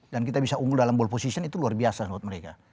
dan kita bisa unggul dalam bowl position itu luar biasa menurut mereka